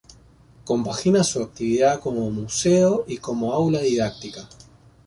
Compagina su actividad como Museo y como Aula Didáctica.